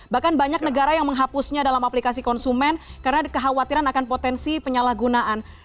bahkan banyak negara yang menghapusnya dalam aplikasi konsumen karena kekhawatiran akan potensi penyalahgunaan